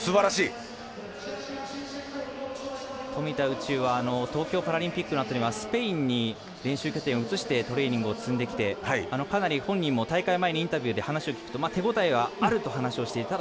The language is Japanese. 宇宙は東京パラリンピックのあとにはスペインに練習拠点を移してトレーニングを積んできてかなり本人も大会前にインタビューで話を聞くと手応えはあると話をしていた。